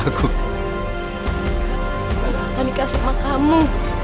aku akan nikah sama kamu